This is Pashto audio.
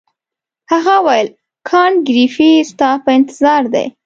هغه وویل کانت ګریفي ستا په انتظار دی.